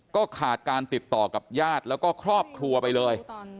ก็ขาดการติดต่อกับญาติแล้วก็ครอบครัวไปเลย